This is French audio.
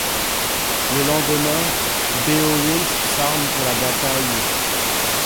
Le lendemain, Beowulf s’arme pour la bataille.